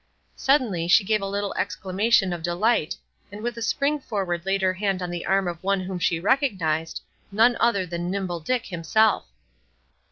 Suddenly she gave a little exclamation of delight, and with a spring forward laid her hand on the arm of one whom she recognized, none other than "Nimble Dick" himself.